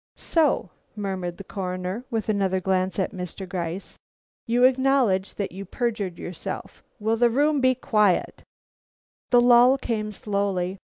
"So," murmured the Coroner, with another glance at Mr. Gryce, "you acknowledge that you perjured yourself. Will the room be quiet!" But the lull came slowly.